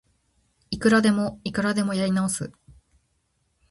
いくらでもいくらでもやり直す